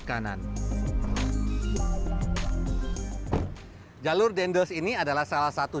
atau alexa figur jari memuat atau lagu jumlah kata